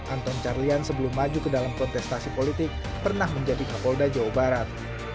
anton carlian sebelum maju ke dalam kontestasi politik pernah menjadi kapolda jawa barat